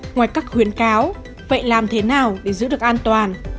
ngoài các khuyến cáo vậy làm thế nào để giữ được an toàn